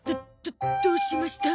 どどうしました？